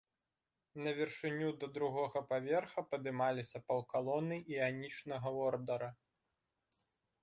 На вышыню да другога паверха падымаліся паўкалоны іанічнага ордара.